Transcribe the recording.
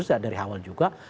sejak dari awal juga